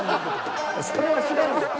それは知らんやん。